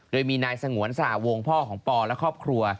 โดยมีนายสงวนสหวงพ่อของปอและครอบครัว